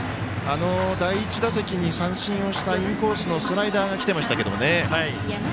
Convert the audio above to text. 第１打席に三振をしたインコースのスライダーがきてましたけどね。